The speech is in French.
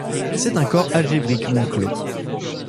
C'est un corps algébriquement clos.